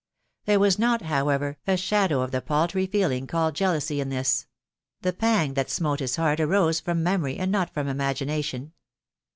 There was uot, however, a shadow of the paltry feeling called jealousy in this ; the pang that smote his heart arose from memory, and not from imagination.